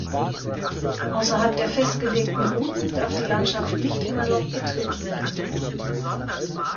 Außerhalb der festgelegten Routen darf die Landschaft nicht unerlaubt betreten werden.